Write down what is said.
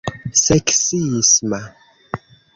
seksisma